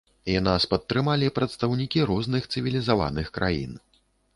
І нас падтрымалі прадстаўнікі розных цывілізаваных краін.